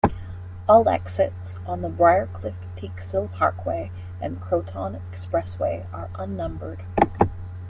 All exits on the Briarcliff-Peeksill Parkway and Croton Expressway are unnumbered.